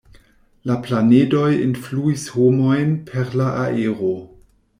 La planedoj influis homojn per la aero.